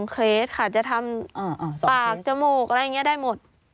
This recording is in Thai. เคล็ดค่ะจะทำปากจมูกอะไรอย่างนี้ได้หมด